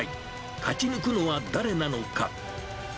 勝ち抜くのは誰なのか。